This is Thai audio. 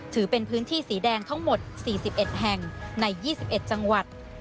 ถือเป็นพื้นที่สีแดงทั้งหมด๔๑แห่งใน๒๑จังหวัด